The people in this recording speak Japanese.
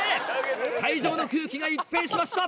会場の空気が一変しました！